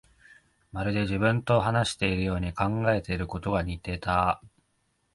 まるで自分と話しているように、考えていることが似ていた